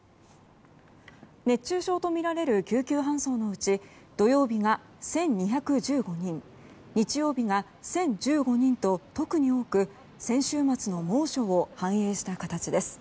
熱中症とみられる救急搬送のうち土曜日が１２１５人日曜日が１０１５人と特に多く先週末の猛暑を反映した形です。